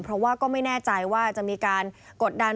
เพราะว่าก็ไม่แน่ใจว่าจะมีการกดดัน